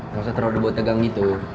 gak usah terlalu dibotegang gitu